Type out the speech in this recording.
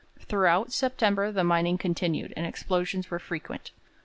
Throughout September the mining continued, and explosions were frequent.